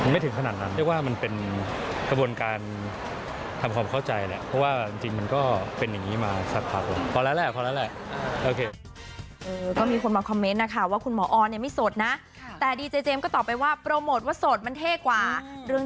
มันเป็นตามข่าวที่ออกมาไหมคะเดี๋ยวเก่ง